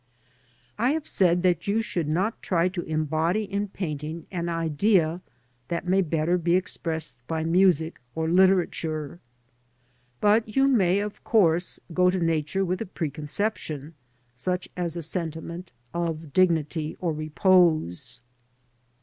I have said that you should not try to embody in painting an idea that may better be expressed by music or literature. But you may of course go to Nature with a preconception, such as a sentiment of dignity or repose.